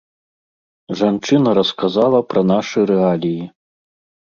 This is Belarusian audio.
Жанчына расказала пра нашы рэаліі.